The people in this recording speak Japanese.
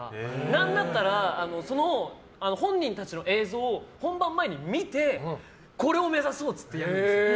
なんだったら本人たちの映像を本番前に見てこれを目指そうってやるんですよ。